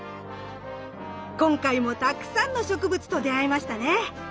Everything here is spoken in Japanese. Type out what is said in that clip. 今日もたくさんの植物と出会えましたね。